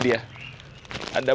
ada puluhan kerobage